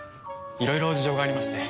いろいろ事情がありまして。